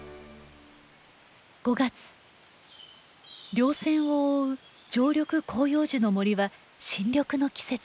稜線を覆う常緑広葉樹の森は新緑の季節。